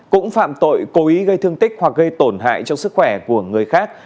cũng phạm tội cố ý gây thương tích hoặc gây tổn hại cho sức khỏe của người khác